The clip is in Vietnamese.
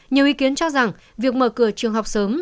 nhiều ý kiến cho rằng việc mở cửa trường học sớm